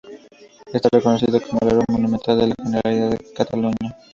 Está reconocido como árbol monumental por la Generalidad de Cataluña.